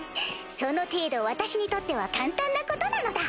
その程度私にとっては簡単なことなのだ。